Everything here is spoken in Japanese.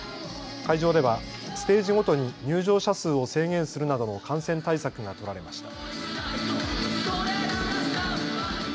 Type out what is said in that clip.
会場ではステージごとに入場者数を制限するなどの感染対策が取られました。